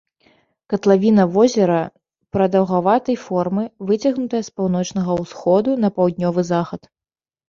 Катлавіна возера прадаўгаватай формы, выцягнутая з паўночнага ўсходу на паўднёвы захад.